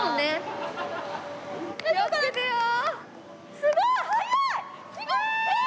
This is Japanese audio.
すごーい！